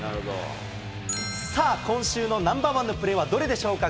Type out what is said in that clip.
さあ、今週のナンバー１のプレーはどれでしょうか。